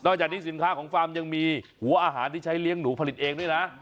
จากนี้สินค้าของฟาร์มยังมีหัวอาหารที่ใช้เลี้ยงหนูผลิตเองด้วยนะ